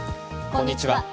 こんにちは。